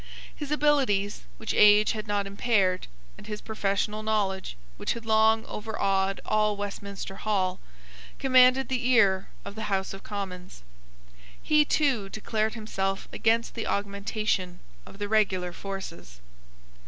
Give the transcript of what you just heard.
His abilities, which age had not impaired, and his professional knowledge, which had long overawed all Westminster Hall, commanded the ear of the House of Commons. He, too, declared himself against the augmentation of the regular forces.